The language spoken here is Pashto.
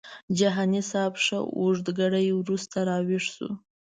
جهاني صاحب ښه اوږد ګړی وروسته راویښ شو.